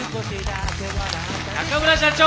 中村社長